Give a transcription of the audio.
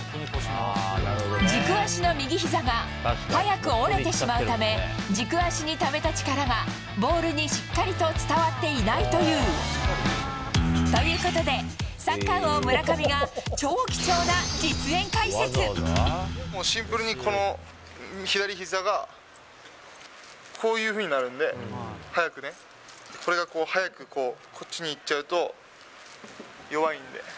軸足の右膝が早く折れてしまうため、軸足にためた力が、ボールにしっかりと伝わっていないというということで、三冠王、もうシンプルに、この左ひざがこういうふうになるんで、早くね、これがこう、早くこっちにいっちゃうと、弱いんで。